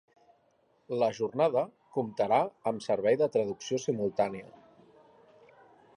La jornada comptarà amb servei de traducció simultània.